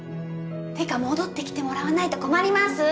てか戻ってきてもらわないと困ります！